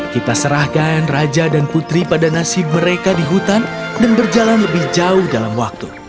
kita serahkan raja dan putri pada nasib mereka di hutan dan berjalan lebih jauh dalam waktu